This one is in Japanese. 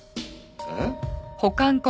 えっ？